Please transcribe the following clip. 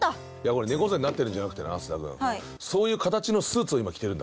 これ猫背になってるんじゃなくてな須田君そういう形のスーツを今着てるんだ。